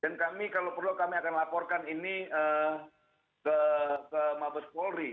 kami kalau perlu kami akan laporkan ini ke mabes polri